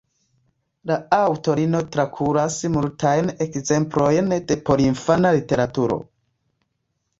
La aŭtorino trakuras multajn ekzemplojn de porinfana literaturo.